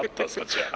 じゃあ。